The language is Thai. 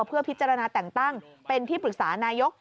เพื่อพิจารณาแต่งตั้งเป็นที่ปรึกษานายก